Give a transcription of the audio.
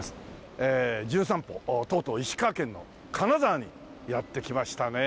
ええ『じゅん散歩』とうとう石川県の金沢にやって来ましたね。